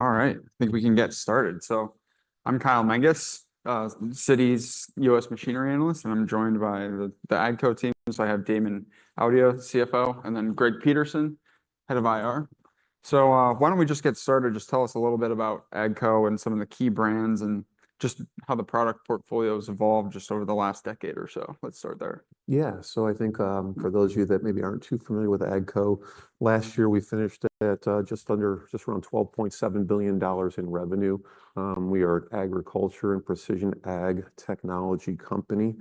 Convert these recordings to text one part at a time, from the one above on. All right, I think we can get started. So I'm Kyle Mengus, Citi's U.S. machinery analyst and I'm joined by the AGCO teams. I have Damon Audia, CFO and then Greg Peterson, head of IR. So why don't we just get started? Just tell us a little bit about AGCO and some of the key brands and just how the product portfolio has evolved just over the last decade or so. Let's start there. Yeah. So I think for those of you that maybe aren't too familiar with AGCO, last year we finished at just around $12.7 billion in revenue. We are an agriculture and precision ag technology company.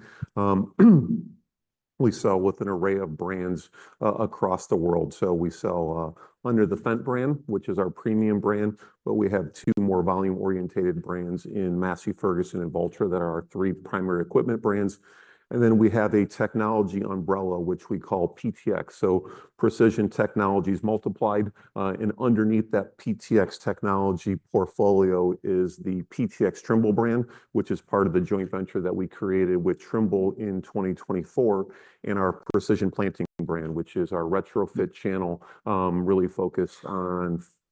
We sell with an array of brands across the world. So we sell under the Fendt brand which is our premium brand. But we have two more volume oriented brands in Massey Ferguson and Valtra that are our three primary equipment brands and then we have a technology umbrella which we call PTx. So precision technologies multiplied and underneath that PTx technology portfolio is the PTx Trimble brand which is of the joint venture that we created with Trimble in 2024. In our Precision Planting brand which is our retrofit channel, really focused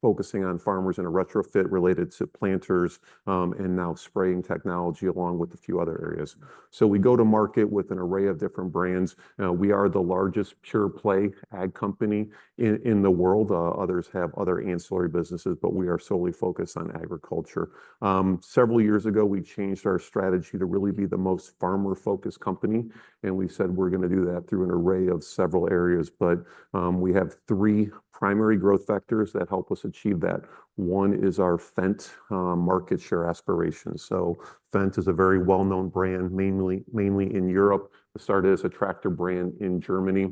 on farmers in a retrofit related to planters and now spraying technology along with a few other areas. So we go to market with an array of different brands. We are the largest pure play ag company in the world. Others have other ancillary businesses but we are solely focused on agriculture. Several years ago we changed our strategy to really be the most farmer focused company and we said we're going to do that through an array of several areas. But we have three primary growth factors that help us achieve that. One is our Fendt market share aspirations. So Fendt is a very well known brand mainly in Europe, started as a tractor brand. In Germany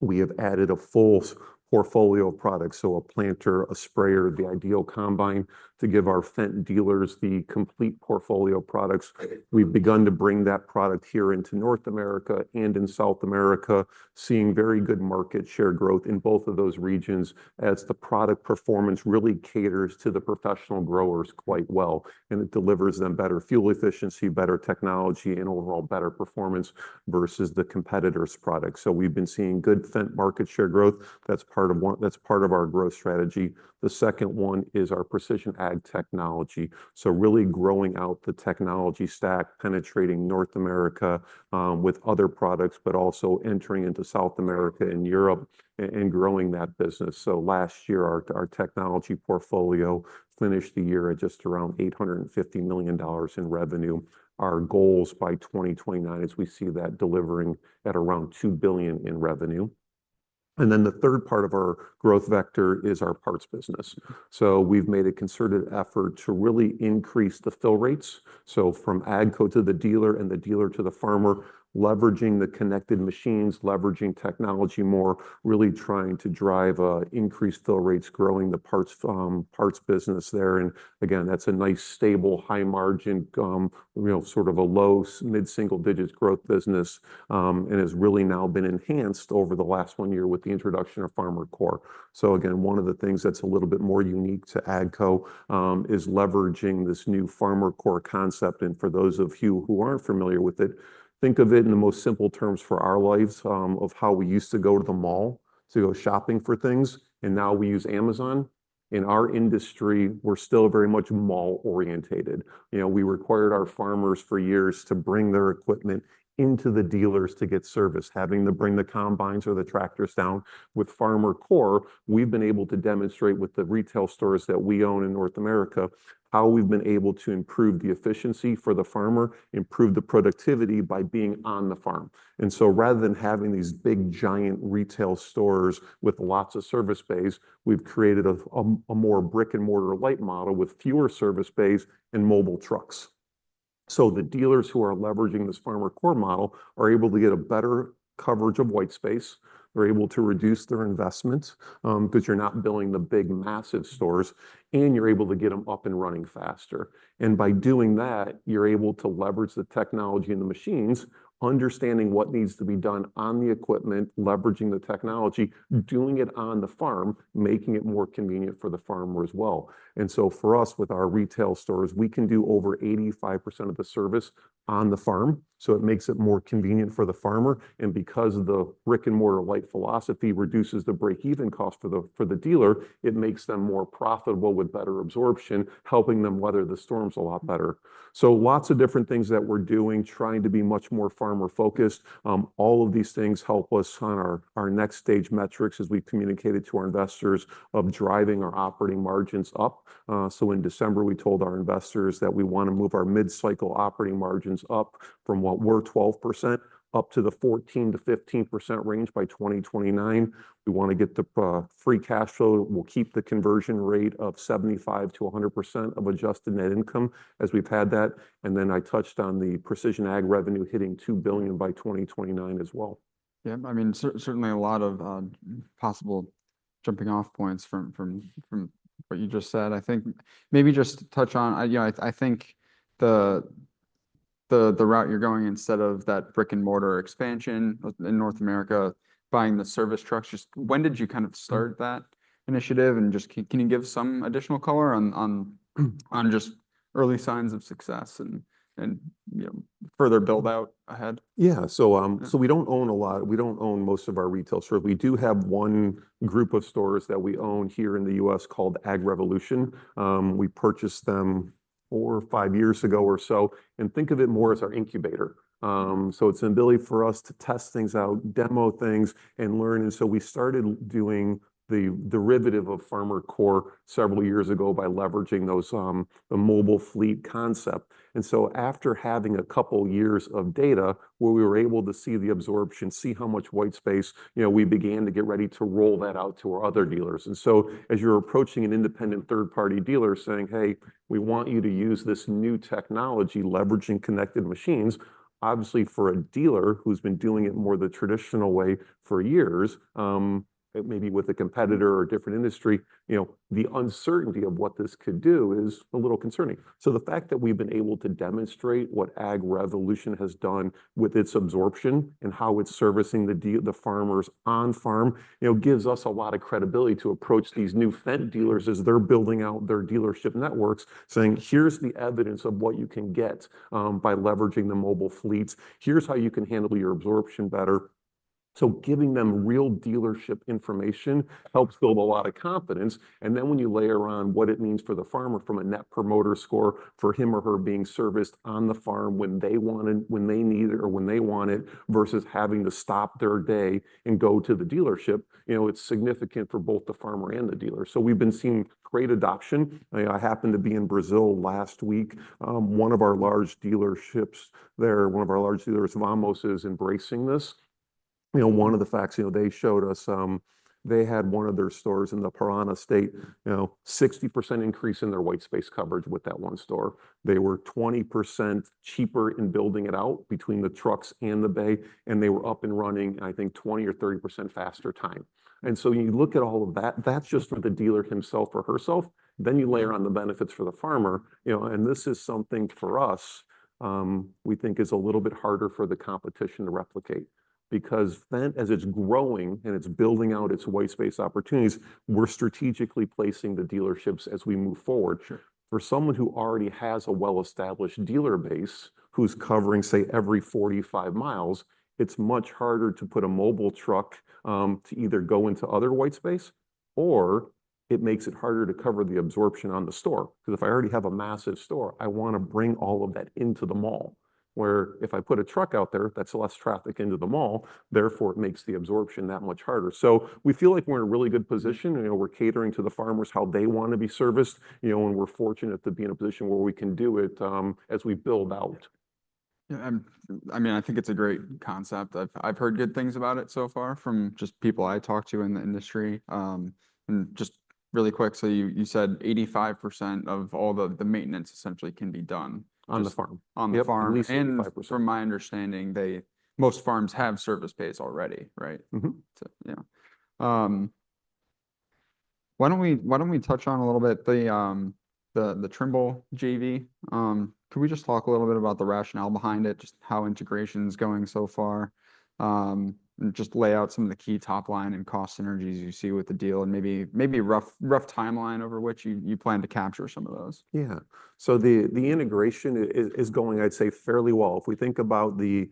we have added a full portfolio of products. So a planter, a sprayer, the IDEAL combine to give our Fendt dealers the complete portfolio products. We've begun to bring that product here into North America and in South America seeing very good market share growth in both of those regions as the product performance really caters to the professional growers quite well and it delivers them better fuel efficiency, better technology and overall better performance versus the competitors' products. So we've been seeing good Fendt market share growth. That's part of one, that's part of our growth strategy. The second one is our precision ag technology. So really growing out the technology stack, penetrating North America with other products but also entering into South America and Europe and growing that business. So last year our technology portfolio finished the year at just around $850 million in revenue. Our goals by 2029 is we see that delivering at around $2 billion in revenue. And then the third part of our growth vector is our parts business. So we've made a concerted effort to really increase the fill rates. So from AGCO to the dealer, and the dealer to the farmer, leveraging the connected machines, leveraging technology more to drive increased fill rates, growing the parts business there. And again, that's a nice stable high margin, you know, sort of a low mid single digits growth business and has really now been enhanced over the last one year with the introduction of FarmerCore. So again, one of the things that's a little bit more unique to AGCO is leveraging this new FarmerCore concept. And for those of you who aren't familiar with it, think of it in the most simple terms. In our lives of how we used to go to the mall to go shopping for things and now we use Amazon. In our industry, we're still very much mall oriented. You know, we required our farmers for years to bring their equipment into the dealers to get service, having to bring the combines or the tractors down. With FarmerCore, we've been able to demonstrate with the retail stores that we own in North America how we've been able to improve the efficiency for the farmer, improve the productivity by being on the farm, and so rather than having these big giant retail stores with lots of service bays, we've created a more brick and mortar light model with fewer service bays and mobile trucks, so the dealers who are leveraging this FarmerCore model are able to get a better coverage of white space. They're able to reduce their investments because you're not building the big massive stores and you're able to get them up and running faster. And by doing that, you're able to leverage the technology and the machines, understanding what needs to be done on the equipment, leveraging the technology, doing it on the farm, making it more convenient for the farmer as well. So for us with our retail stores, we can do over 85% of the service on the farm, so it makes it more convenient for the farmer. Because the brick and mortar light philosophy reduces the break even cost for the dealer, it makes them more profitable with better absorption, helping them weather the storms a lot better. Lots of different things that we're doing, trying to be much more farmer focused. All of these things help us on our next stage metrics, as we communicated to our investors of driving our operating margins up. So in December we told our investors that we want to move our mid-cycle operating margins up from what were 12% up to the 14%-15% range by 2029. We want to get the free cash flow. We'll keep the conversion rate of 75%-100% of adjusted net income as we've had that. And then I touched on the precision ag revenue hitting $2 billion by 2029 as well. Yeah, I mean certainly a lot of possible jumping off points from what you just said. I think maybe just touch on, you know, I think the route you're going instead of that brick and mortar expansion in North America, buying the service trucks. Just when did you kind of start that initiative and just can you give some additional color on just early signs of success and you. No, further build out ahead? Yeah, so we don't own a lot. We don't own most of our retail store. We do have one group of stores that we own here in the U.S. called AgRevolution. We purchased them four or five years ago or so and think of it more as our incubator, so it's an ability for us to test things out, demo things and learn, and so we started doing the derivative of FarmerCore several years ago by leveraging those, the mobile fleet concept, and so after having a couple years of data where we were able to see the absorption, see how much white space, you know, we began to get ready to roll that out to our other dealers. And so as you're approaching an independent third party dealer saying, hey, we want you to use this new technology, leveraging connected machines, obviously for a dealer who's been doing it more the traditional way for years, maybe with a competitor or different industry, you know, the uncertainty of what this could do is a little concerning. So the fact that we've been able to demonstrate what AgRevolution has done with its absorption and how it's servicing the farmers on farm, you know, gives us a lot of credibility to approach these new Fendt dealers as they're building out dealership networks saying here's the evidence of what you can get by leveraging the mobile fleets, here's how you can handle your absorption better. So giving them real dealership information helps build a lot of confidence. And then when you layer on what it means for the farmer from a net promoter score for him or her being serviced on the farm when they wanted, when they need it or when they want it, versus having to stop their day and go to the dealership, you know, it's significant for both the farmer and the dealer, so we've been seeing great adoption. I happened to be in Brazil last week. One of our large dealerships there, one of our large dealers, Vamos, is embracing this. You know, one of the facts, you know, they showed us they had one of their stores in the Paraná state, you know, 60% increase in their white space coverage. With that one store, they were 20% cheaper in building it out between the trucks and the bay, and they were up and running, I think 20% or 30% faster time. And so you look at all of that. That's just for the dealer himself or herself. Then you layer on the benefits for the farmer, you know, and this is something for us we think is a little bit harder for the competition to replicate because then as it's growing and it's building out its white space opportunities, we're strategically placing the dealerships as we move forward. For someone who already has a well established dealer base who's covering say every 45 miles, it's much harder to put a mobile truck to either go into other white space or it makes it harder to cover the absorption on the store. Because if I already have a massive store, I want to bring all of that into the mall where if I put a truck out there, that's less traffic into the mall; therefore it makes the absorption that much harder. So we feel like we're in a really good position. You know, we're catering to the farmers, how they want to be serviced, you know, and we're fortunate to be in a position where we can do it as we build out. I mean, I think it's a great concept. I've heard good things about it so far from just people I talk to in the industry and just really quick. So you said 85% of all the maintenance essentially can be done on the farm. On the farm, and so my understanding that most farms have service bays already. Right? Yeah. Why don't we touch on a little bit the Trimble JV. Could we just talk a little bit about the rationale behind it, just how integration is going so far. Just lay out some of the key top line and cost synergies you see with the deal and maybe rough timeline over which you plan to capture some of those? Yeah. So the integration is going, I'd say fairly well. If we think about the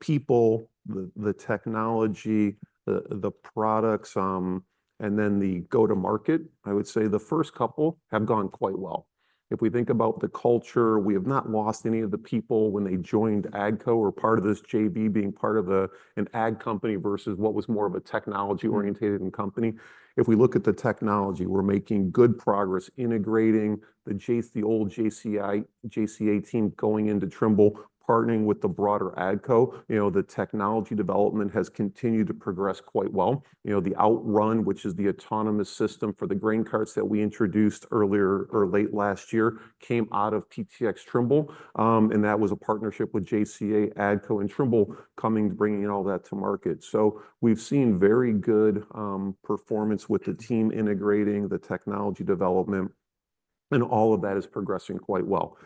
people, the technology, the products and then the go to market, I would say the first couple have gone quite well. If we think about the culture, we have not lost any of the people when they joined AGCO or part of this JV being part of an AG company versus what was more of a technology oriented company. If we look at the technology, we're making good progress integrating the JCA's, the old JCA team going into Trimble partnering with the broader AGCO. You know the technology development has continued to progress quite well. You know the OutRun which is the autonomous system for the grain carts that we introduced earlier or late last year came out of PTx Trimble and that was a partnership with JCA, AGCO and Trimble coming together bringing all that to market. So we've seen very good performance with the team integrating the technology development and all of that is progressing quite well.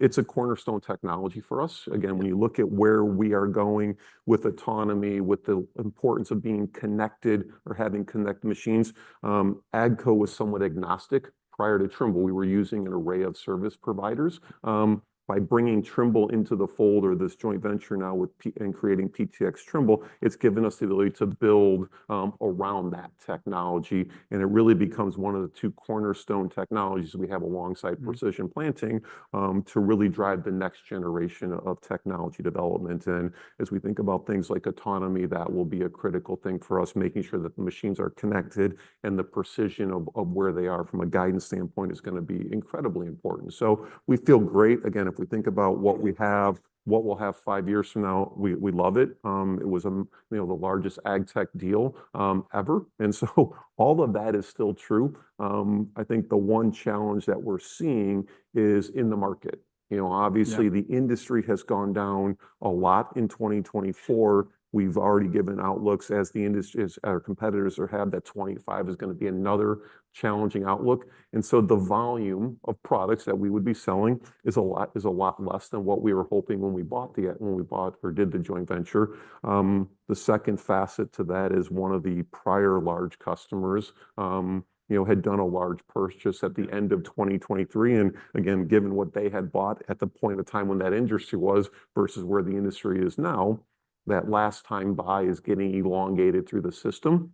It's a cornerstone technology for us. Again when you look at where we are going with autonomy with the importance of being connected or having connected machines, AGCO was somewhat agnostic prior to Trimble. We were using an array of service providers. By bringing Trimble into the fold or this joint venture now and creating PTx Trimble, it's given us the ability to build around that technology and it really becomes one of the two cornerstone technologies we have alongside Precision Planting to really drive the next generation of technology development, and as we think about things like autonomy, that will be a critical thing for us. Making sure that the machines are connected and the precision of where they are from a guidance standpoint is going to be incredibly important, so we feel great again if we think about what we have, what we'll have five years from now. We love it. It was the largest ag tech deal ever, and so all of that is still true for I think the one challenge that we're seeing is in the market. You know, obviously the industry has gone down a lot in 2024. We've already given outlooks as the industry is our competitors are have that 2025 is going to be another challenging outlook. And so the volume of products that we would be selling is a lot less than what we were hoping when we bought or did the joint venture. The second facet to that is one of the prior large customers, you know had done a large purchase at the end of 2023. And again given what they had bought at the point of time when that industry was versus where the industry is now, that last time buy is getting elongated through the system.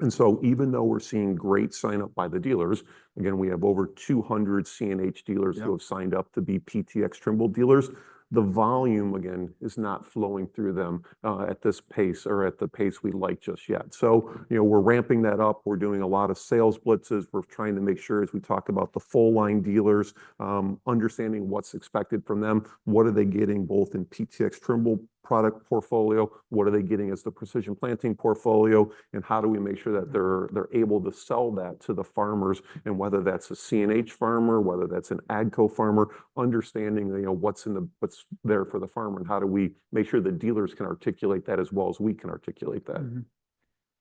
And so even though we're seeing great sign up by the dealers again we have over 200 CNH dealers who have signed up to be PTx Trimble dealers. The volume again is not flowing through them at this pace or at the pace we like just yet. So, you know, we're ramping that up. We're doing a lot of sales blitzes. We're trying to make sure as we talk about the full-line dealers understanding what's expected from them, what are they getting both in PTx Trimble product portfolio, what are they getting as the Precision Planting portfolio and how do we make sure that they're, they're able to sell that to the farmers and whether that's a CNH farmer, whether that's an AGCO farmer, understanding, you know, what's in the, what's there for the farmer and how do we make sure the dealers can articulate that as well as we can articulate that.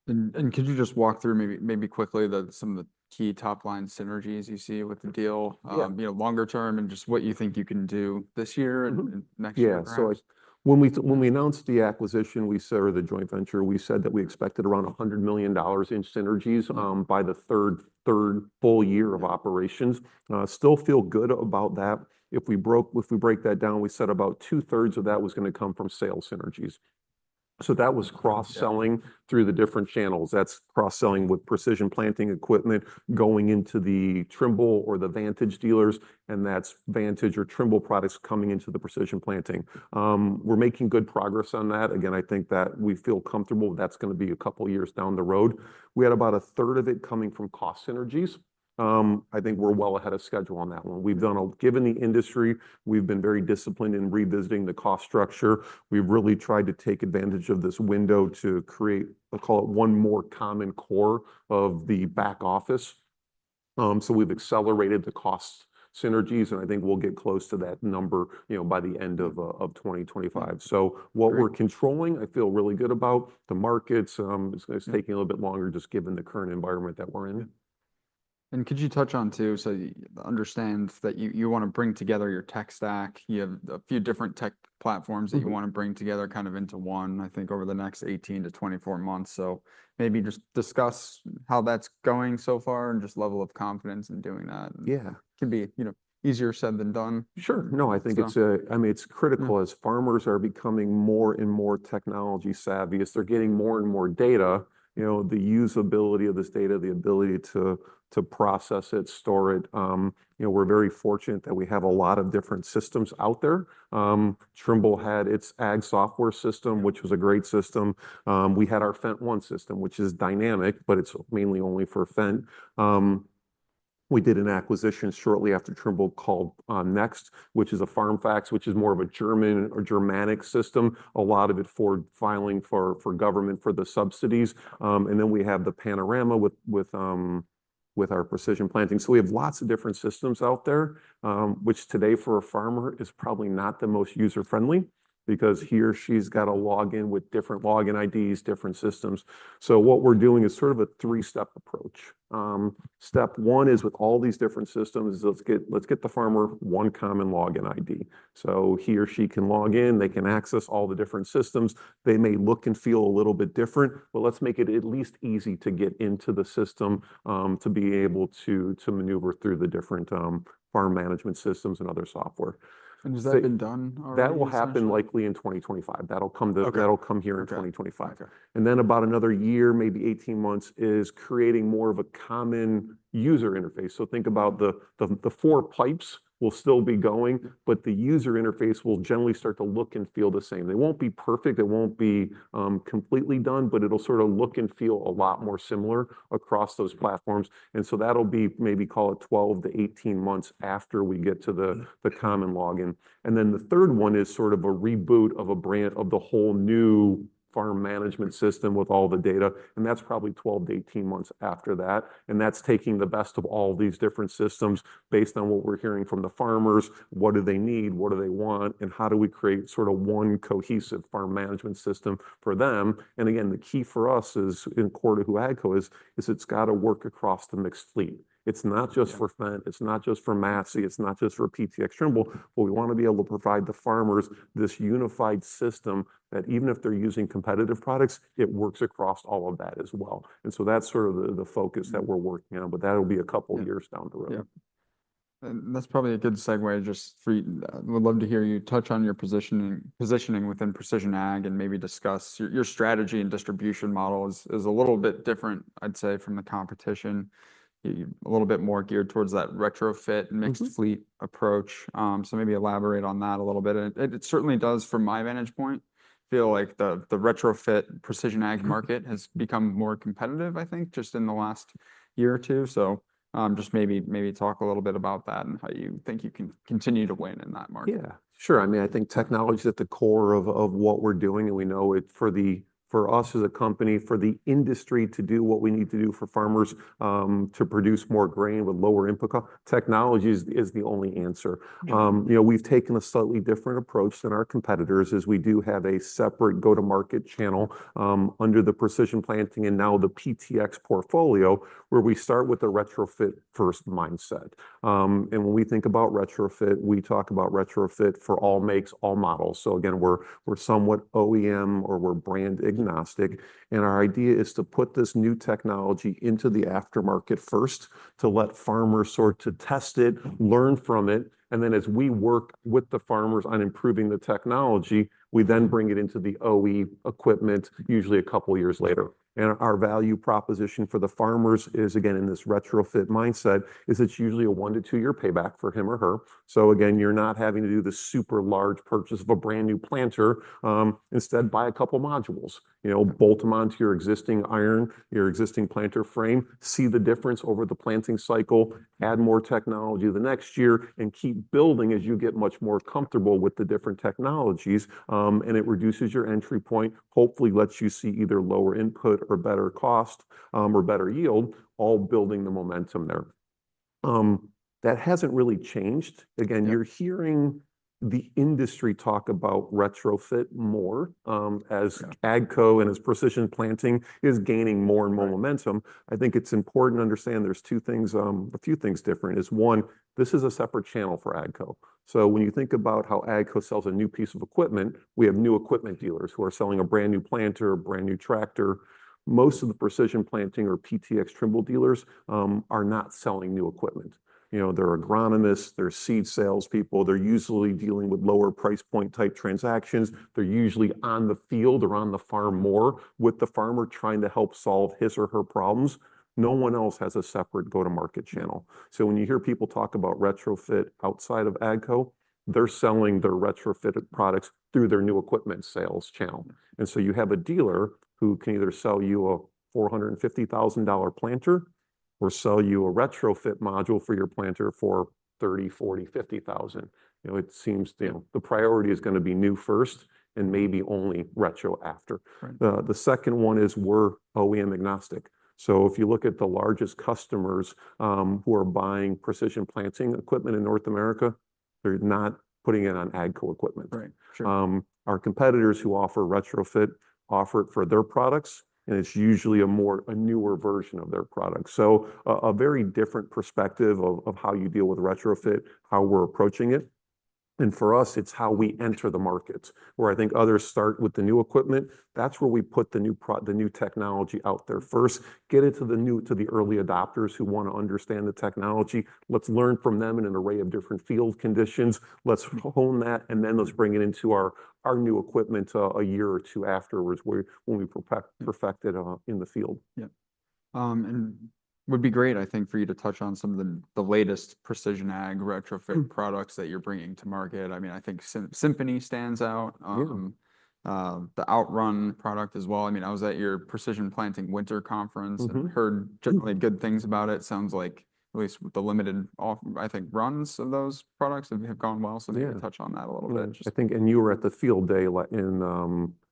Could you just walk through maybe quickly some of the key top line synergies you see with the deal, you know, longer term and just what you think you can do this year and next year. When we announced the joint venture, we said that we expected around $100 million in synergies by the third full year of operations. Still feel good about that. If we break that down, we said about two thirds of that was going to come from sales synergies. So that was cross selling through the different channels. That's cross selling with Precision Planting equipment going into the Trimble or the Vantage dealers and that's Vantage or Trimble products coming into the Precision Planting. We're making good progress on that. Again, I think that we feel comfortable. That's going to be a couple of years down the road. We had about a third of it coming from cost synergies. I think we're well ahead of schedule on that one. We've done, given the industry, we've been very disciplined in revisiting the cost structure. We've really tried to take advantage of this window to create a, call it one more common core of the back office. So we've accelerated the cost synergies and I think we'll get close to that number, you know, by the end of 2025. So what we're controlling, I feel really good about the markets. It's taking a little bit longer just given the current environment that we're in. And could you touch on too? So understand that you want to bring together your tech stack. You have a few different tech platforms that you want to bring together kind of into one, I think over the next 18 to 24 months. So, maybe just discuss how that's going so far and just level of confidence in doing that. Yeah, can be, you know, easier said than done. Sure. No, I think it's, I mean it's critical as farmers are becoming more and more technology savvy as they're getting more and more data. You know, the usability of this data, the ability to process it, store it. You know, we're very fortunate that we have a lot of different systems out there. Trimble had its ag software system, which was a great system. We had our FendtONE system, which is dynamic, but it's mainly only for Fendt. We did an acquisition shortly after Trimble called NEXT, which is a FarmFacts, which is more of a German or Germanic system. A lot of it for filing for government, for the subsidies. And then we have the Panorama with our Precision Planting. So we have lots of different systems out there which today for a farmer is probably not the most user friendly because he or she's got a login with different login IDs, different systems. So what we're doing is sort of a three step approach. Step one is with all these different systems, let's get the farmer one common login ID so he or she can log in. They can access all the different systems. They may look and feel a little bit different, but let's make it at least easy to get into the system to be able to maneuver through the different farm management systems and other software. Has that been done? That will happen likely in 2025. That'll come to, that'll come here in 2025, and then about another year, maybe 18 months is creating more of a common user interface. So think about, the four pipes will still be going, but the user interface will generally start to look and feel the same. They won't be perfect, it won't be completely done, but it'll sort of look and feel a lot more similar across those platforms, and so that'll be maybe call it 12 to 18 months after we get to the common login. And then the third one is sort of a reboot of a brand of the whole new farm management system with all the data, and that's probably 12 to 18 months after that. And that's taking the best of all these different systems based on what we're hearing from the farmers, what do they need, what do they want and how do we create sort of one cohesive farm management system for them. And again, the key for us is in keeping with who AGCO is, it's got to work across the mixed fleet. It's not just for Fendt, it's not just for Massey, it's not just for PTx Trimble. But we want to be able to provide the farmers this unified system that even if they're using competitive products, it works across all of that as well. And so that's sort of the focus that we're working on. But that'll be a couple years down the road. That's probably a good segue. I just would love to hear you touch on your positioning within precision ag and maybe discuss your strategy and distribution model is a little bit different, I'd say from the competition, a little bit more geared towards that retrofit mixed fleet approach. So maybe elaborate on that a little bit. It certainly does from my vantage point feel like the retrofit precision ag market has become more competitive I think just in the last year or two. So just maybe talk a little bit about that and how you think you can continue to win in that market. Yeah, sure. I mean, I think technology is at the core of what we're doing, and we know it for the, for us as a company, for the industry to do what we need to do for farmers to produce more grain with lower input cost. Technology is the only answer. You know, we've taken a slightly different approach than our competitors is we do have a separate go to market channel under the Precision Planting and now the PTx portfolio where we start with the retrofit first mindset. And when we think about retrofit we talk about retrofit for all makes, all models. So again we're somewhat OEM or we're brand agnostic and our idea is to put this new technology into the aftermarket first to let farmers sort of test it, learn from it. And then as we work with the farmers on improving the technology, we then bring it into the OE equipment usually a couple years later. And our value proposition for the farmers is again in this retrofit mindset is it's usually a one- to two-year payback for him or her. So again you're not having to do the super large purchase of a brand new planter, instead buy a couple modules, you know, bolt them onto your existing iron, your existing planter frame, see the difference over the planting cycle, add more technology the next year and keep building as you get much more comfortable with the different technologies and it reduces your entry point hopefully lets you see either lower input or better cost or better yield. All building the momentum there. That hasn't really changed. Again, you're hearing the industry talk about retrofit more as AGCO and as Precision Planting is gaining more and more momentum, I think it's important to understand there's two things. A few things different is one, this is a separate channel for AGCO. So when you think about how AGCO sells a new piece of equipment, we have new equipment dealers who are selling a brand new planter, brand new tractor. Most of the Precision Planting or PTx Trimble dealers are not selling new equipment. You know, they're agronomists, they're seed sales people. They're usually dealing with lower price point type transactions. They're usually on the field or on the farm more with the farmer trying to help solve his or her problems. No one else has a separate go to market channel. So when you hear people talk about retrofit outside of AGCO, they're selling their retrofitted products through their new equipment sales channel. And so you have a dealer who can either sell you a $450,000 planter or sell you a retrofit module for your planter for $30,000-$50,000. You know, it seems, you know, the priority is going to be new first and maybe only retro after. The second one is worth OEM agnostic. So if you look at the largest customers who are buying Precision Planting equipment in North America, they're not putting it on AGCO equipment. Right. Our competitors who offer retrofit offer it for their products, and it's usually a more newer version of their product. So a very different perspective of how you deal with retrofit, how we're approaching it. And for us it's how we enter the market. Where I think others start with the new equipment, that's where we put the new product, the new technology out there first, get it to the new, to the early adopters who want to understand the technology. Let's learn from them in an array of different field conditions. Let's hone that and then let's bring it into our new equipment a year or two afterwards when we perfect it in the field. Yeah, and would be great I think for you to touch on some of the latest Precision Ag retrofit products that you're bringing to market. I mean I think Symphony stands out. The OutRun product as well. I mean, I was at your Precision Planting winter conference and heard generally good things about it. Sounds like at least the limited runs of those products have gone well. So maybe touch on that a little bit, I think. And you were at the field day in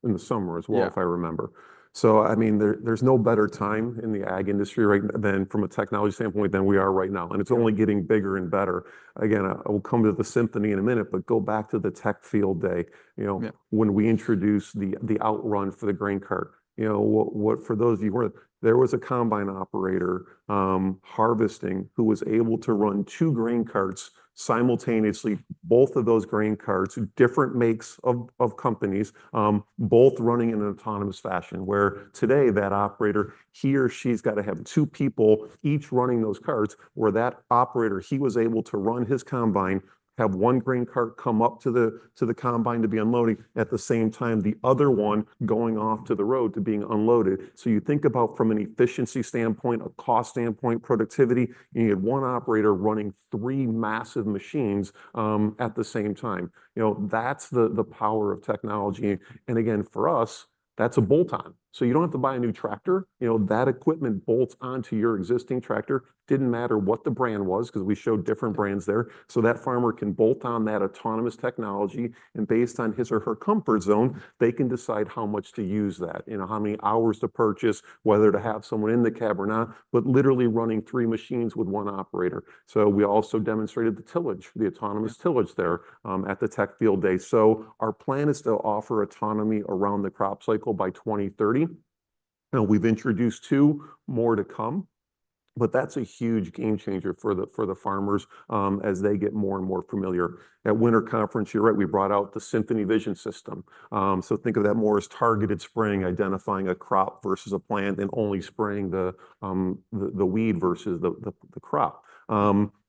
the summer as well, if I remember. So, I mean, there's no better time in the ag industry, right, than from a technology standpoint than we are right now. And it's only getting bigger and better again. I will come to the Symphony in a minute, but go back to the tech field day. You know, when we introduce the OutRun for the grain cart. You know what, for those of you, there was a combine operator harvesting who was able to run two grain carts simultaneously. Both of those grain carts, different makes of companies, both running in an autonomous fashion. Whereas today that operator, he or she's got to have two people each running those carts, where that operator, he was able to run his combine, have one green cart come up to the combine to be unloading at the same time, the other one going off to the road to being unloaded. So you think about from an efficiency standpoint, a cost standpoint, productivity. You had one operator running three massive machines at the same time. You know, that's the power of technology. And again, for us, that's a bolt on, so you don't have to buy a new tractor. You know, that equipment bolts onto your existing tractor. Didn't matter what the brand was because we showed different brands there. So that farmer can bolt on that autonomous technology and based on his or her comfort zone, they can decide how much to use that, you know, how many hours to purchase, whether to have someone in the cab or not. But literally running three machines with one operator. So we also demonstrated the tillage, the autonomous tillage there at the tech field day. So our plan is to offer autonomy around the crop cycle by 2030. Now we've introduced two more to come, but that's a huge game changer for the farmers as they get more and more familiar at winter conference. You're right. We brought out the Symphony Vision system. So think of that more as targeted spraying identifying a weed versus a plant and only spraying the weed versus the crop.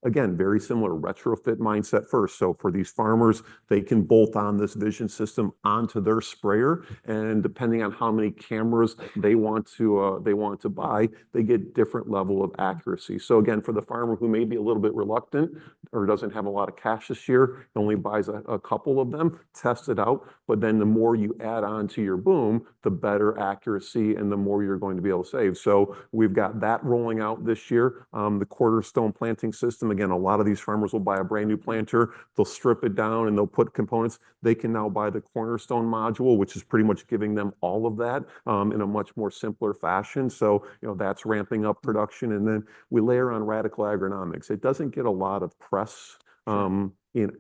Again, very similar retrofit mindset first. So for these farmers, they can bolt on this vision system onto their sprayer and depending on how many cameras they want to buy, they get different level of accuracy. So again, for the farmer who may be a little bit reluctant or doesn't have a lot of cash this year, only buys a couple of them, test it out. But then the more you add on to your boom, the better accuracy and the more you're going to be able to save. So we've got that rolling out this year, the Cornerstone Planting System. Again, a lot of these farmers will buy a brand new planter, they'll strip it down and they'll put components. They can now buy the Cornerstone module which is pretty much giving them all of that in a much more simpler fashion. So, you know, that's ramping up production in this. Then we layer on Radical Agronomics. It doesn't get a lot of press in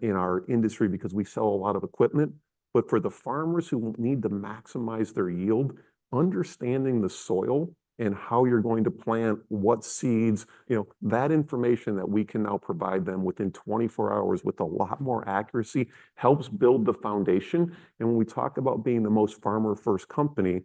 our industry because we sell a lot of equipment. But for the farmers who need to maximize their yield, understanding the soil and how you're going to plant what seeds, that information that we can now provide them within 24 hours with a lot more accuracy helps build the foundation. And when we talk about being the most farmer first company,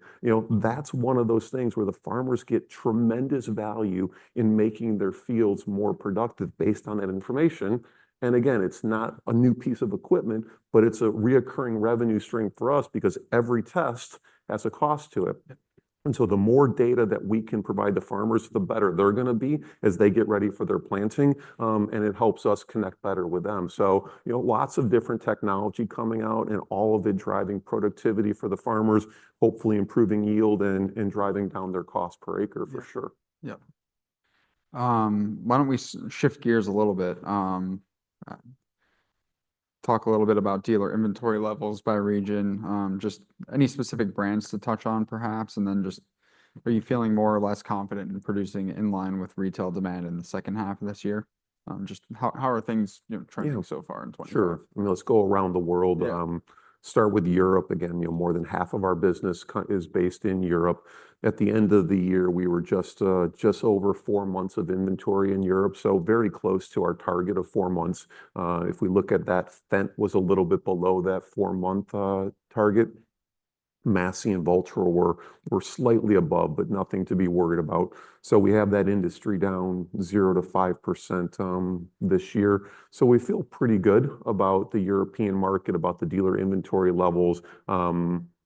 that's one of those things where the farmers get tremendous value in making their fields more productive based on that information. And again, it's not a new piece of equipment, but it's a recurring revenue stream for us because every test has a cost to it. And so the more data that we can provide the farmers, the better they're going to be as they get ready for their planting. It helps us connect better with them. You know, lots of different technology coming out and all of it driving productivity for the farmers, hopefully improving yield and driving down their cost per acre for sure. Yap. Why don't we shift gears a little bit. Talk a little bit about dealer inventory levels by region, just any specific brands to touch on perhaps, and then just. Are you feeling more or less confident in producing in line with retail demand in the second half of this year? Just how are things, you know. Trending so far in 2020? Sure. I mean, let's go around the world, start with Europe again. You know, more than half of our business is based in Europe. At the end of the year we were just over four months of inventory in Europe. So very close to our target of four months. If we look at that Fendt was a little bit below that four month target. Massey and Valtra were slightly above, but nothing to be worried about. So we have that industry down 0%-5% this year. So we feel pretty good about the European market, about the dealer inventory levels.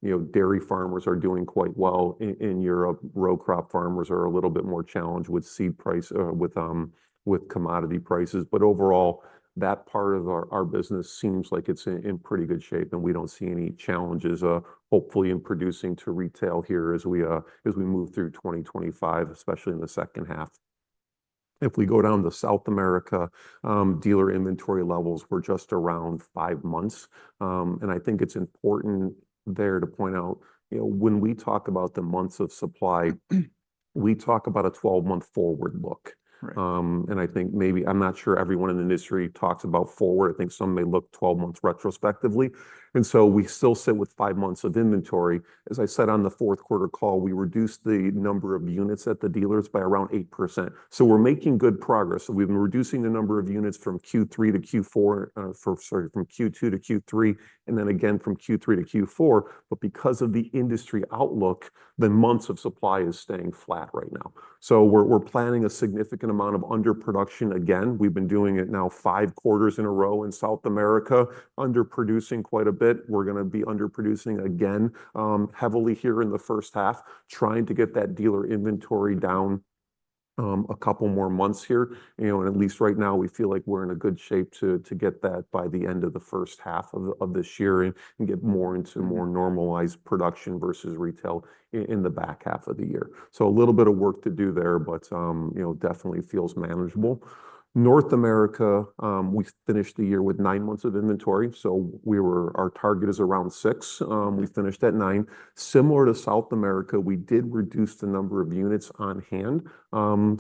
You know, dairy farmers are doing quite well in Europe. Row crop farmers are a little bit more challenged with seed price, with commodity prices. Overall that part of our business seems like it's in pretty good shape and we don't see any challenges hopefully in producing to retail here as we move through 2025, especially in the second half. If we go down to South America, dealer inventory levels were just around five months. And I think it's important there to point out, you know, when we talk about the months of supply, we talk about a 12-month forward look. And I think maybe, I'm not sure everyone in the industry talks about forward. I think some may look 12 months retrospectively. And so we still sit with five months of inventory. As I said on the fourth quarter call, we reduced the number of units at the dealers by around 8%. So we're making good progress. So we've been reducing the number of units from Q3 to Q4, sorry, from Q2 to Q3 and then again from Q3 to Q4. But because of the industry outlook, the months of supply is staying flat right now. So we're planning a significant amount of underproduction again. We've been doing it now five quarters in a row in South America, under producing quite a bit. We're going to be under producing again heavily here in the first half, trying to get that dealer inventory down a couple more months here, you know, and at least right now we feel like we're in a good shape to get that by the end of the first half of this year and get more into more normalized product versus retail in the back half of the year. So, a little bit of work to do there, but you know, definitely feels manageable. North America, we finished the year with nine months of inventory, so we were. Our target is around six. We finished at nine. Similar to South America, we did reduce the number of units on hand.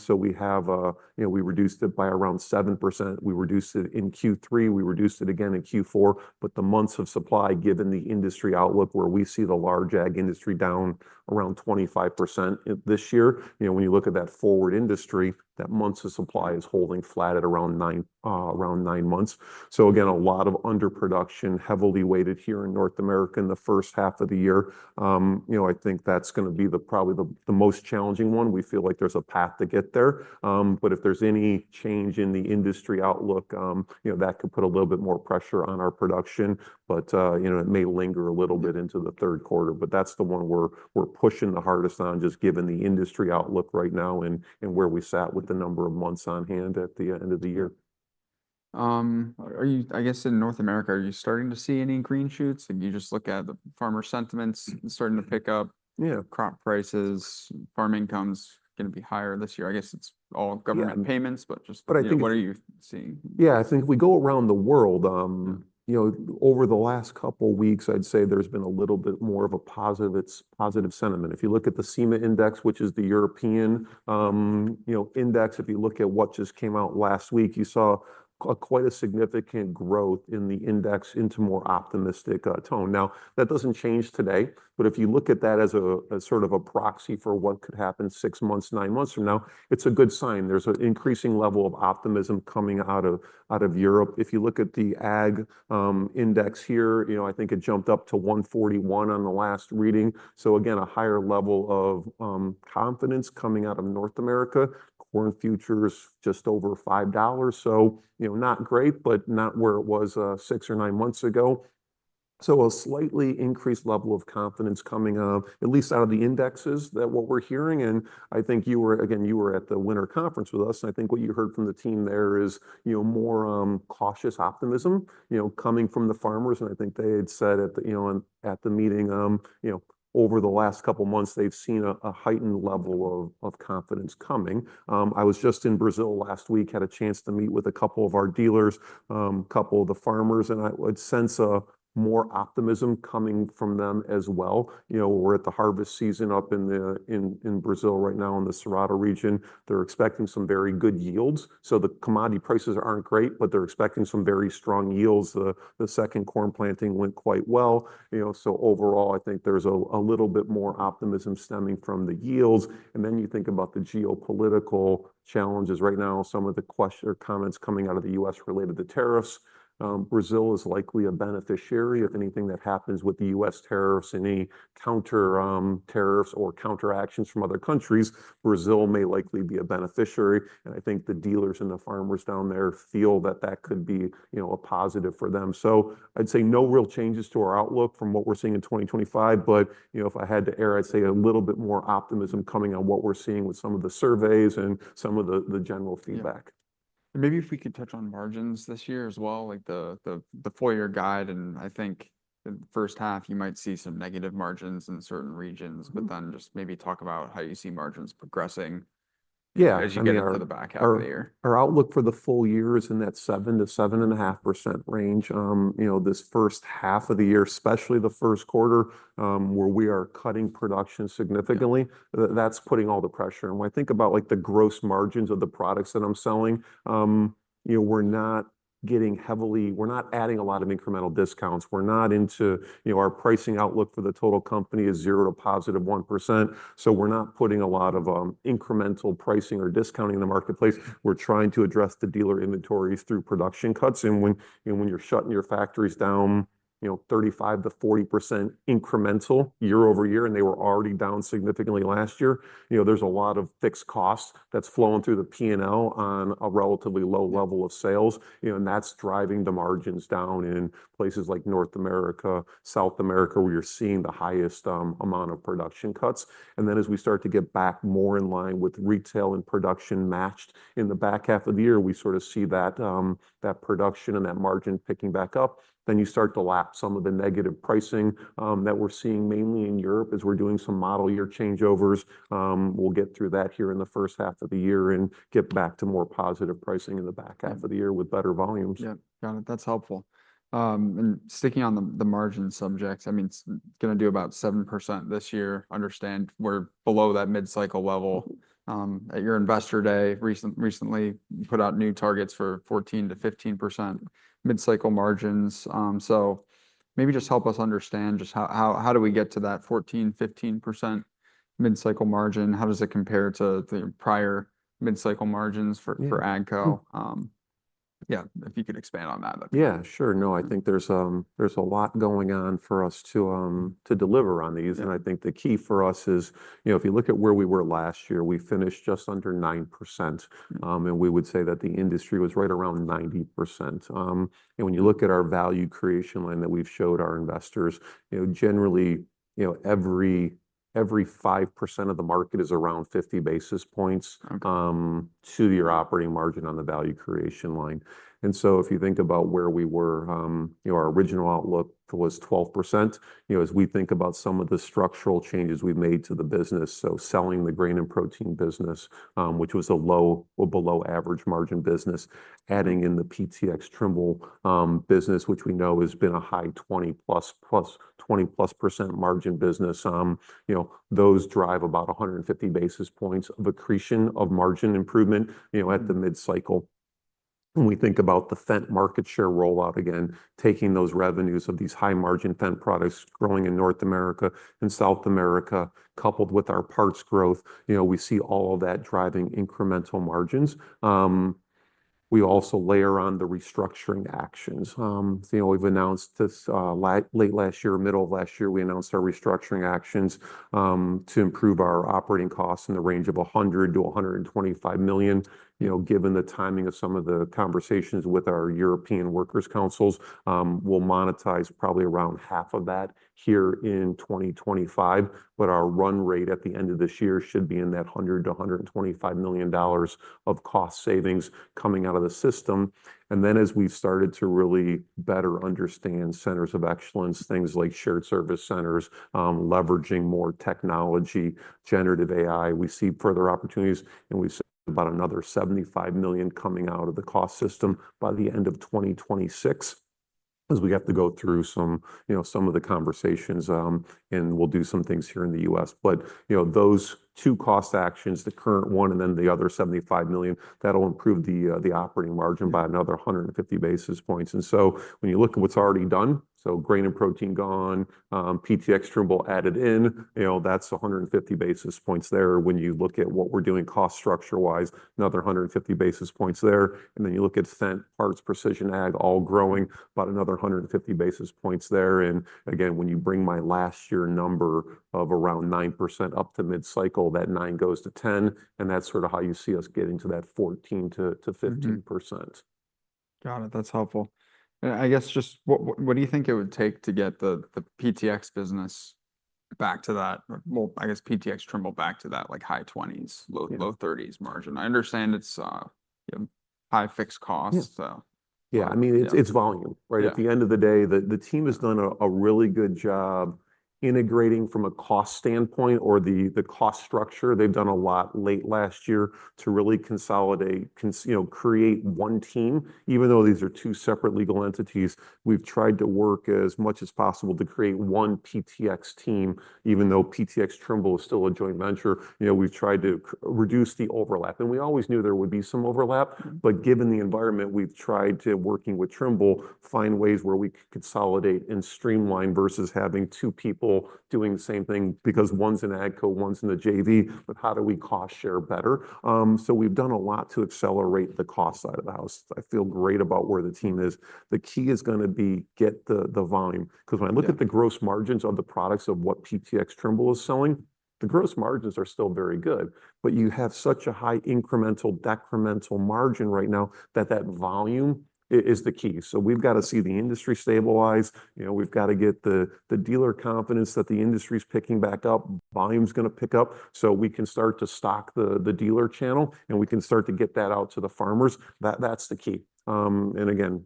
So we have, you know, we reduced it by around 7%. We reduced it in Q3, we reduced it again in Q4. But the months of supply, given the industry outlook, where we see the large ag industry down around 25% this year, you know, when you look at that forward industry, that months of supply is holding flat at around nine, around nine months. So again, a lot of underproduction heavily weighted here in North America in the first half of the year. You know, I think that's going to be the, probably the most challenging one. We feel like there's a path to get there. But if there's any change in the industry outlook, you know, that could put a little bit more pressure on our production, but you know, it'll linger a little bit into the third quarter. But that's the one we're pushing the hardest on just given the industry outlook right now and where we stand with the number of months on hand at the end of the year. Are you, I guess, in North America, starting to see any green shoots? And you just look at the farmer sentiments starting to pick up crop prices, farm incomes going to be higher this year. I guess it's all government payments. But just. But I think what are you seeing? Yeah, I think if we go around the world, you know, over the last couple weeks, I'd say there's been a little bit more of a positive. It's positive sentiment. If you look at the CEMA index, which is the European, you know, index, if you look at what just came out last week, you saw quite a significant growth in the index into more optimistic tone. Now, that doesn't change today, but if you look at that as a sort of a proxy for what could happen six months, nine months from now, it's a good sign. There's an increasing level of optimism coming out of Europe. If you look at the Ag index here, you know, I think it jumped up to 141 on the last reading. So again, a higher level of confidence coming out of North America corn futures just over $5. So, you know, not great, but not where it was six or nine months ago. So a slightly increased level of confidence coming at least out of the indexes that what we're hearing. And I think you were, again, at the winter conference with us, and I think what you heard from the team there is, you know, more cautious optimism, you know, coming from the farmers. And I think they had said at the meeting, you know, over the last couple months, they've seen a heightened level of confidence coming. I was just in Brazil last week, had a chance to meet with a couple of our dealers, couple of the farmers, and I would sense a more optimism coming from them as well. You know, we're at the harvest season up in the, in Brazil right now in the Cerrado region. They're expecting some very good yields. The commodity prices aren't great, but they're expecting some very strong yields. The second corn planting went quite well. Overall I think there's a little bit more optimism stemming from the yields. Then you think about the geopolitical challenges right now, some of the question or comments coming out of the U.S. related to tariffs. Brazil is likely a beneficiary. If anything that happens with the U.S. tariffs, any counter tariffs or counteractions from other countries, Brazil may likely be a beneficiary. I think the dealers and the farmers down there feel that that could be, you know, a positive for them. I'd say no real changes to our outlook from what we're seeing in 2025. But you know, if I had to, I'd say a little bit more optimism coming on what we're seeing with some of the surveys and some of the general feedback. Maybe if we could touch on margins this year as well, like the FY '24 guide. I think the first half you might see some negative margins in certain regions, but then just maybe talk about how you see margins progressing. Yeah. As you get into the back half of the year. Our outlook for the full year is in that 7-7.5% range. You know, this first half of the year, especially the first quarter where we are cutting production significantly. That's putting all the pressure and I think about like the gross margins of the products that I'm selling. You know, we're not getting heavily, we're not adding a lot of incremental discounts. We're not into, you know, our pricing outlook for the total company is 0% to +1%. So we're not putting a lot of incremental pricing or discounting in the marketplace. We're trying to address the dealer inventories through production cuts. And when, you know, when you're shutting your factories down, you know, 35%-40% incremental year over year and they were already down significantly last year, you know, there's a lot of fixed costs that's flowing through the P&L on a relatively low level of sales, you know, and that's driving the margins down in places like North America, South America where you're seeing the highest amount of production cuts. And then as we start to get back more in line with retail and production matched in the back half of the year, we sort of see that production and that margin picking back up, then you start to lap some of the negative pricing that we're seeing mainly in Europe as we're doing some model year changeovers. We'll get through that here in the first half of the year and get back to more positive pricing in the back half of the year with better volumes. Yeah, got it. That's helpful. And sticking on the margin subjects, I mean, going to do about 7% this year. Understand we're below that mid-cycle level. At your investor day recently put out new targets for 14%-15% mid-cycle margins. So maybe just help us understand just how, how do we get to that 14%-15% mid-cycle margin? How does it compare to the prior mid-cycle margins for AGCO. Yeah, if you could expand on that. Yeah, sure. No, I think there's a lot going on for us to deliver on these and I think the key for us is, you know, if you look at where we were last year, we finished just under 9% and we would say that the industry was right around 9%. And when you look at our value creation line that we've showed our investors, you know, generally, you know, every 5% of the market is around 50 basis points to your operating margin on the value creation line. So if you think about where we were, you know, our original outlook was 12%. You know, as we think about some of the structural changes we've made to the business, so selling the grain and protein business, which was a low or below average margin business, adding in the PTx Trimble business, which we know has been a high 20-plus% margin business, you know, those drive about 150 basis points of accretion of margin improvement. You know, at the mid-cycle. When we think about the Fendt market share rollout again taking those revenues of these high margin Fendt products growing in North America and South America, coupled with our parts growth, you know, we see all of that driving incremental margins. We also layer on the restructuring actions, you know. We've announced this late last year, middle of last year. We announced our restructuring actions to improve our operating costs in the range of $100 million-$125 million. You know, given the timing of some of the conversations with our European workers councils, we'll monetize probably around half of that here in 2025. But our run rate at the end of this year should be in that $100 million-$125 million of cost savings coming out of the system. And then as we've started to really better understand centers of excellence, things like shared service centers, leveraging more technology, generative AI, we see further opportunities and we see about another $75 million coming out of the cost system by the end of 2026. As we have to go through some, you know, some of the conversations and we'll do some things here in the U.S., but you know, those two cost actions, the current one and then the other $75 million, that'll improve the operating margin by another 150 basis points. And so when you look at what's already done, so grain and protein gone, PTx Trimble added in, you know, that's 150 basis points there. When you look at what we're doing, cost structure wise, another 150 basis points there. And then you look at Fendt Parts, Precision Ag, all growing about another 150 basis points there. And again when you bring my last year number of around 9% up to mid-cycle, that 9 goes to 10. And that's sort of how you see us getting to that 14%-15%. Got it. That's helpful, I guess. Just what do you think it would take to get the PTx business back to that? Well, I guess PTx Trimble back to that like high 20s, low 30s margin. I understand it's high fixed costs. So yeah, I mean it's volume. Right. At the end of the day, the team has done a really good job integrating from a cost standpoint or the cost structure. They've done a lot late last year to really consolidate one team even though these are two separate legal entities. We've tried to work as much as possible to create one PTx team even though PTx Trimble is still a joint venture. We've tried to reduce the overlap and we always knew there would be some overlap. But given the environment, we've tried to, working with Trimble, find ways where we consolidate and streamline versus having two people doing the same thing because one's an AGCO, one's in the JV. But how do we cost share better? So we've done a lot to accelerate the cost side of the house. I feel great about where the team is. The key is going to be to get the volume. Because when I look at the gross margins of the products of what PTx Trimble is selling, the gross margins are still very good. But you have such a high incremental, decremental margin right now that volume is the key. So we've got to see the industry stabilize. You know, we've got to get the dealer confidence that the industry's picking back up, volume's going to pick up. So we can start to stock the dealer channel and we can start to get that out to the farmers. That's the key. And again,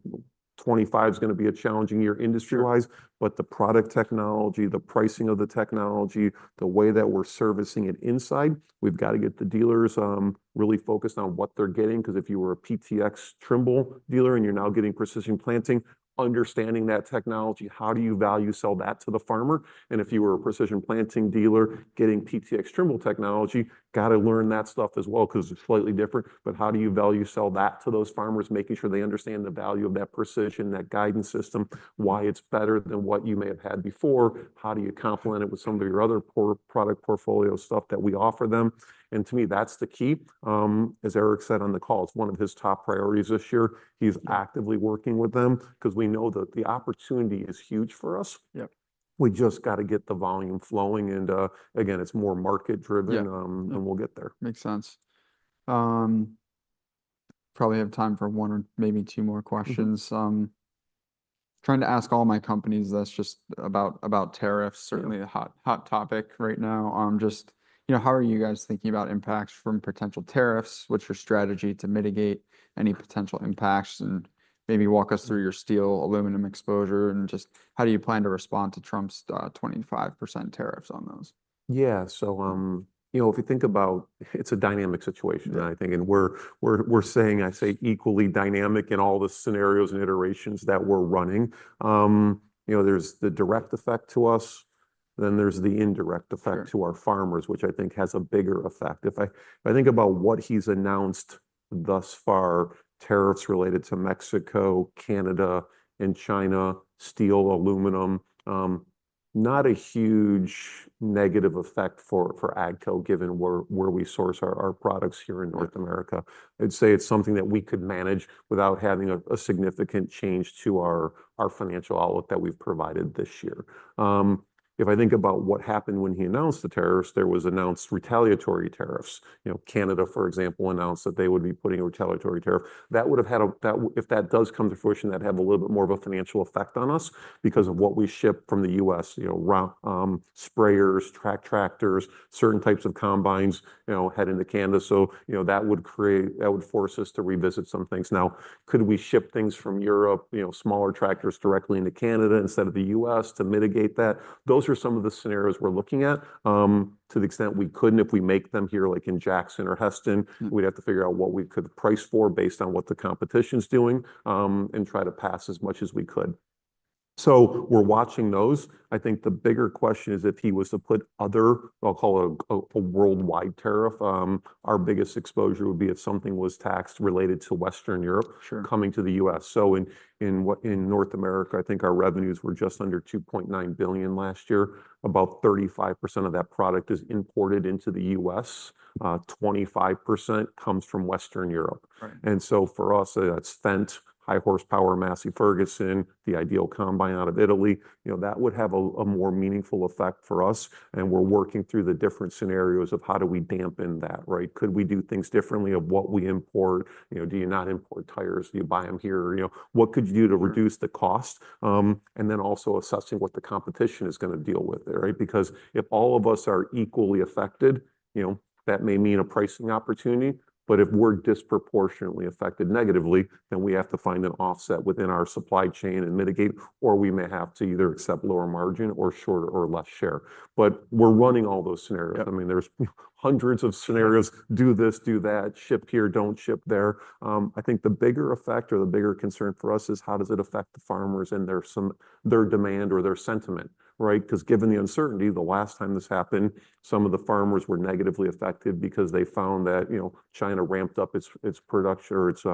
2025 is going to be a challenging year, industry wise. But the product technology, the pricing of the technology, the way that we're servicing it inside, we've got to get the dealership really focused on what they're getting. Because if you were a PTx Trimble dealer and you're now getting Precision Planting, understanding that technology, how do you value sell that to the farmer? And if you were a Precision Planting dealer, getting PTx Trimble technology, got to learn that stuff as well because it's slightly different. But how do you value sell that to those farmers, making sure they understand the value of that precision, that guidance system, why it's better than what you may have had before? How do you complement it with some of your other core product portfolio stuff that we offer them? And to me, that's the key. As Eric said on the call, it's one of his top priorities this year. He's actively working with them because we know that the opportunity is huge for us. Yep. We just got to get the volume flowing and again, it's more market driven and we'll get there. Makes sense. Probably have time for one or maybe two more questions. Trying to ask all my companies that's just about tariffs. Certainly a hot, hot topic right now. Just, you know, how are you guys thinking about impacts from potential tariffs? What's your strategy to mitigate any potential impacts and maybe walk us through your steel aluminum exposure? And just how do you plan to respond to Trump's 25% tariffs on those? Yeah, so, you know, if you think about, it's a dynamic situation, I think, and we're saying, I say, equally dynamic in all the scenarios and iterations that we're running. You know, there's the direct effect to us, then there's the indirect effect to our farmers, which I think has a bigger effect if I think about what he's announced thus far, tariffs related to Mexico, Canada and China, steel, aluminum, not a huge negative effect for AGCO, given where we source our products here in North America. I'd say it's something that we could manage without having a significant change to our financial outlook that we've provided this year. If I think about what happened when he announced the tariffs, there was announced retaliatory tariffs. You know, Canada, for example, announced that they would be putting a retaliatory tariff that would have had a, that if that does come to fruition, that have a little bit more of a financial effect on us because of what we ship from the U.S. you know, sprayers, track tractors, certain types of combines, you know, head into Canada. So, you know, that would create, that would force us to revisit some things. Now, could we ship things from Europe, smaller tractors, directly into Canada instead of the U.S. to mitigate that? Those are some of the scenarios we're looking at to the extent we couldn't. If we make them here, like in Jackson or Hesston, we'd have to figure out what we could price for based on what the competition's doing and try to pass as much as we could. So we're watching those. I think the bigger question is if he was to put other, I'll call it a worldwide tariff, our biggest exposure would be if something was taxed related to Western Europe coming to the U.S. So in North America, I think our revenues were just under $2.9 billion last year. About 35% of that product is imported into the U.S. 25% comes from Western Europe. And so for us, that's Fendt high horsepower Massey Ferguson, the IDEAL combine out of Italy. You know, that would have a more meaningful effect for us. And we're working through the different scenarios of how do we dampen that, right. Could we do things differently of what we import? You know, do you not import tires? Do you buy them here? You know, what could you do to reduce the. And then also assessing what the competition is going to deal with there. Right. Because if all of us are equally affected, you know, that may mean a pricing opportunity. But if we're disproportionately affected negatively, then we have to find an offset within our supply chain and mitigate or we may have to either accept lower margin or shorter or less share. But we're running all those scenarios. I mean, there's hundreds of scenarios. Do this, do that, ship here, don't ship there. I think the bigger effect or the bigger concern for us is how does it, it affect the farmers and their, some, their demand or their sentiment, right. Because given the uncertainty, the last time this happened, some of the farmers were negatively affected because they found that, you know, China ramped up its, its production or its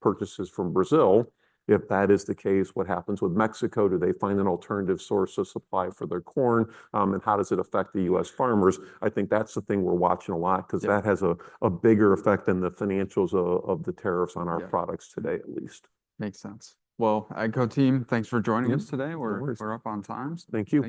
purchases from Brazil. If that is the case, what happens with Mexico? Do they find an alternative source of supply for their corn? And how does it affect the U.S. farmers? I think that's the thing we're watching a lot because that has a bigger effect than the financials of the tariffs on our products today. AGCO team, thanks for joining us today. We're up on time. Thank you. Thank you.